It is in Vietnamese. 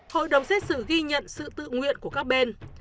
hội đồng xét xử ghi nhận sự tự nguyện của các bên